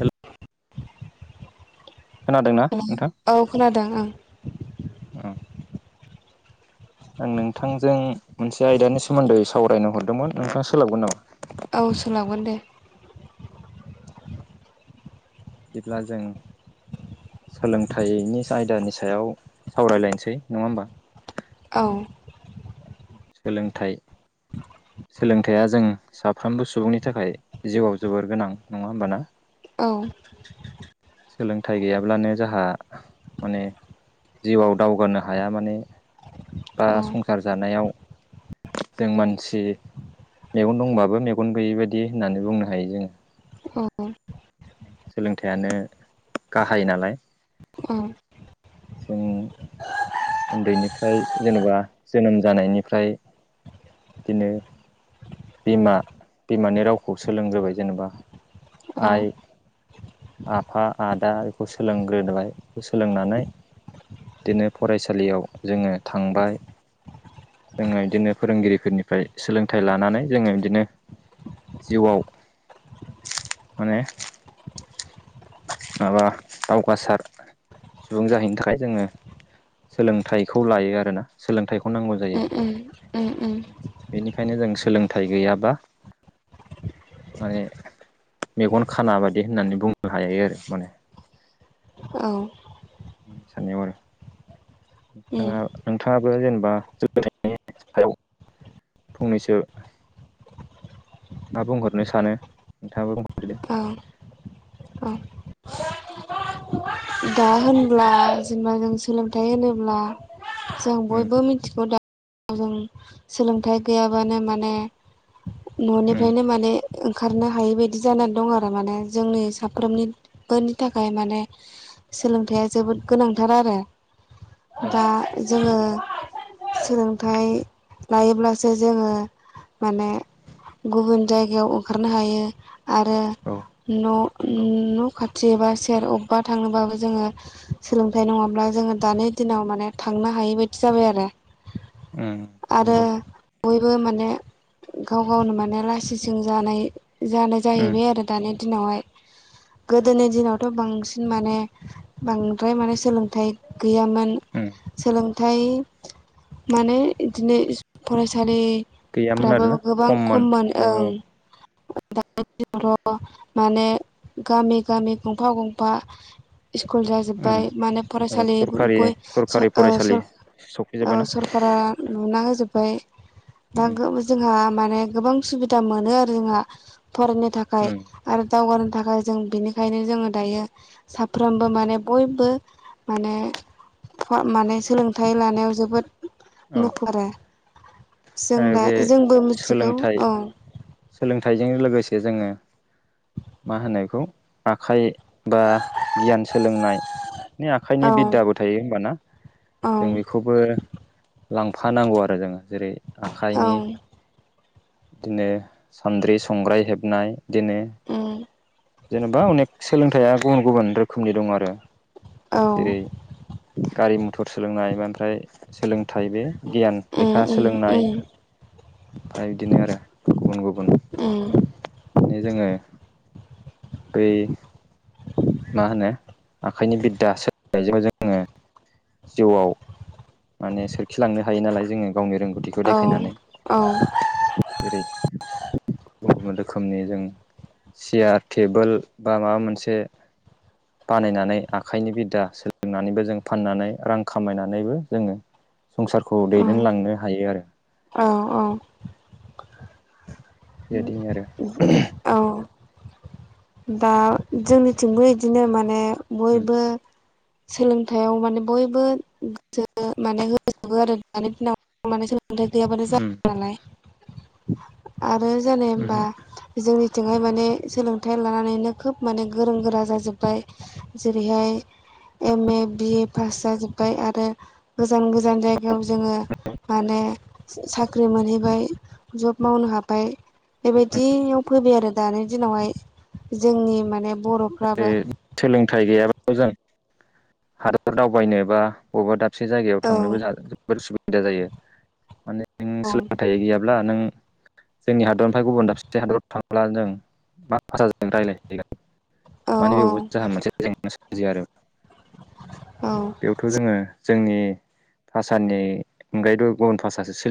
हेल' [inaudible] खोनादोंना नोंथां [unintelligible] औ खोनादों ओं। आं नोंथांजों मोनसे आयदानि सोमोन्दै सावरायनो हरदोंमोन नोंथां सोलाबगोन नामा? औ सोलाबगोन दे। बिदिब्ला जों सोलोंथाइनि आयदानि सायाव सावरायलायनोसै नङा होमबा? औ। सोलोंथाइ सोलोंथाइया जों साफ्रोमबो सुबुंनि थाखाय जिउआव जोबोर गोनां नङा होमबाना? औ। सोलोंथाइ गैयाब्लानो जाहा माने जिउआव दावगानो हाया माने बा संसार जानायाव जों मानसि मेगन दंबाबो मेगन गैयि बायदि होननानै बुंनो हायो जोङो। औ सोलोंथाइयानो गाहाय नालाय। औ। जों उन्दैनिफ्राय जेनबा जोनोम जानायनिफ्राय दिनो बिमा बिमानि रावखौ सोलोंग्रोबाय जेनेबा औ आइ आफा आदा बेखौ सोलोंग्रोदोबाय बेखौ सोलोंनानै दिनो फरायसालियाव जोङो थांबाय जोङो इदिनो फोरोंगिरिफोरनिफ्राय सोलोंथाइ लानानै जोङो इदिनो जिउआव माने माबा दावगासार सुबुं जाहैनो थाखाय जोङो सोलोंथाइखौ लायो आरोना सोलोंथाइ खौ नांगौ जायो। उम उम उम उम बेनिखायनो जों सोलोंथाइ गैयाबा माने मेगन खाना बादि होननानै बुं नों हायो आरो माने। औ। साननायाव आरो। उम नोंथाङा नोंथाङाबो जेनेबा सोलोंथाइनि सायाव फंनैसो मा बुंहरनो सानो नोंथाङाबा बुं औ। औ दा होनब्ला जेनबा जों सोलोंथाइ होनोब्ला जों उम बयबो मिथिगौ दा जों सोलोंथाइ गैयाबानो माने उम न'निफ्रायनो माने ओंखारनो हायै बायदि जानानै दं आरो माने जोंनि साफ्रोमनि बोनि थाखाय माने सोलोंथाइया जोबोद गोनांथार आरो औ दा जोङो सोलोंथाइ लायोब्लासो जोङो माने गुबुन जायगायाव ओंखारनो हायो। आरो औ न' नंगौ न' खाथि एबा सेर अबेबा थांनोबाबो जोङो सोलोंथाइ नङाब्ला जोङो दानि दिनाव माने थांनो हायै बायदि जाबाय आरो। उम आरो नंगौ। बयबो माने गाव गावनो माने लासिंसिं जानाय जानाय उम जाहैबाय आरो दानि दिनावहाय गोदोनि दिनावथ' बांसिन माने बांद्राय माने सोलोंथाइ गैयामोन उम सोलों थाइ माने बिदिनो फरायसालि गैयामोन फ्राबो आरोना गोबां खममोन माने ओं औ दा माने गामि गामि गंफा गंफा स्कुल उम जाजोब्बाय माने औ फरायसालि सरखारि बय सो सरखारि ओ फरायसालि औ सफैजोब्बायना सरकारा लुना होजोब्बाय‌। दा उम गो जोंहा माने गोबां सुबिदा मोनो आरो जोंहा। फरायनो थाखाय उम आरो दावगानो थाखाय जों बिनिखायनो जोङो दायो सा- -फ्रोमबो माने बयबो माने फ माने सोलोंथाइ लानायाव जोबोद औ मुखारो। आरो बे मिथिगौ सोलोंथाइ औ सोलोंथाइजों लोगोसे जे जोङो मा होनो एखौ आखाइ बा गियान सोलोंनाय माने औ आखाइनि बिद्दाबो थायो होमबाना। जों बेखौबो लांफानांगौ आरो जों जेरै औ आखाइनि बिदिनो सान्द्रि संग्राय हेबनाय बिदिनो उम जेनेबा अनेक सोलोंथाइया गुबुन गुबुन रोखोमनि दं आरो। औ। जेरै गारि मथर सोलोंनाय ओमफ्राय सोलोंथाइ बे गियान उम लेखा उम सोलोंनाय। उम ओमफ्राय बिदिनो आरो गुबुन उम गुबुन जे जोङो बै मा होनो आखाइनि बिद्दा सोलोंनायजों जोङो जिउआव माने सोरखिलांनो हायो नालाय जोङो गावनि रोंगौथिखौ औ देखायनानै जेरै गुबुन गुबुन रोखोमनि जों सियार टेबोल बा माबा मोनसे बानायनानै आखाइनि बिद्दा सोलोंनानैबो जों फाननानै रां खामायनानैबो जोङो संसारखौ उम दैदेनलांनो हायो आरो। औ औ। बेबायदिनो आरो औ। दा जोंनिथिंबो बिदिनो माने बयबो सोलोंथाइयाव माने बयबो गोसो माने होजोबो आरो दानि दिनाव माने सोलोंथाइ गैयाबानो जाला नालाय आरो जानोे होनबा जोंनि -जोंहाय माने सोलों -थाइ लानानैनो खोब माने गोरों गोरा जाजोबबाय जेरैहाय एम ए बिए पास जाजोब्बाय आरो गोजान गोजान जायगायाव जोङो माने साख्रि मोनहैबाय जब मावनो हाबाय। बेबायदियाव फैबाय आरो दानि दिनावहाय जोंनि माने बर'फ्राबो सोलोंथाइ गैयाबाबो जों हादर दावबायनो बा बबेबा दा -बसे जायगायाव औ थांनोबो जोबोर असुबिदा जायो माने नों सोलोंथाइ गैयाब्ला नों जोंनि हादरनिफ्राय गुबुन दाबसे हादराव थांब्ला जों मा भाषाजों रायज्लायहैगोन। औ माने बेयावबो जोंहा मोनसे जेंना सोमजियो आरो। औ बेयावथ जोङो जोंनि भाषानि अनगायैबोथ गुबुन भाषासो सोलियो।